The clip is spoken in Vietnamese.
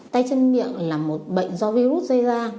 tay chân miệng là một bệnh do virus gây ra